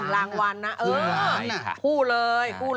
๑รางวัลนะเออคู่เลยคู่เลย